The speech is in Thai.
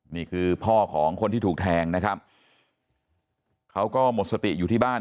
นี่คือพ่อของคนที่ถูกแทงนะครับเขาก็หมดสติอยู่ที่บ้าน